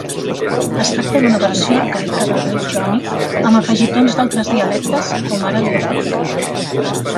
Es tracta d'una versió arcaica del grec jònic, amb afegitons d'altres dialectes, com ara l'eòlic.